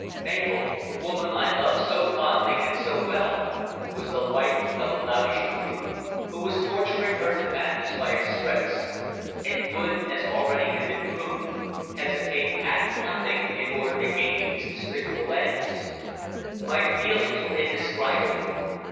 Mabel, the woman I loved so fondly and so well, was the wife of a loutish brute who was torturing her to madness by his threats, and would, as already had been proved, hesitate at nothing in order to gain his despicable ends. My feelings were indescribable.